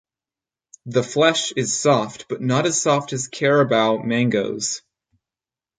The flesh is soft but not as soft as Carabao mangoes.